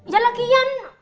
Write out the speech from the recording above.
ya lah kian